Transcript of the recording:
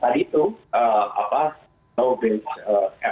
dan kita berusaha mendorong penggunaan